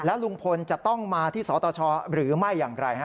ลุงพลจะต้องมาที่สตชหรือไม่อย่างไรฮะ